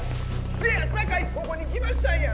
せやさかいここに来ましたんや！